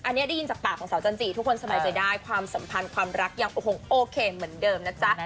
แต่ว่าอันนี้ได้ยินจากปากของสาวจันทรีย์ทุกคนสมัยจะได้ความสัมพันธ์ความรักโอเคเหมือนเดิมนะจ๊ะ